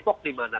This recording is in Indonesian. di kepok di mana